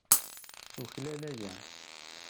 Tuklal aya.